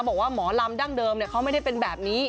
บอกว่าหมอลำดั้งเดิมเขาไม่ได้เป็นแบบนี้